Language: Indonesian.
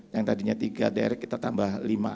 yang tadinya tiga direct kita tambah lima